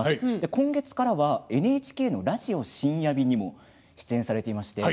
今月からはＮＨＫの「ラジオ深夜便」にもご出演されています。